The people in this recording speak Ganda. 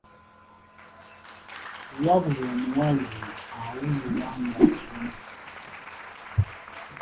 Wabula omuwala ono awulirwa ng'asoma.